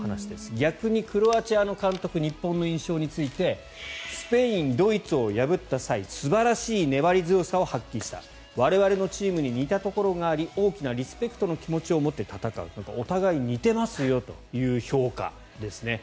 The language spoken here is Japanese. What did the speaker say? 逆にクロアチアの監督日本の印象についてスペイン、ドイツを破った際素晴らしい粘り強さを発揮した我々のチームに似たところがあり大きなリスペクトの気持ちを持って戦うお互い似ていますよという評価ですね。